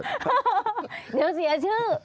เดี๋ยวเสียชื่อ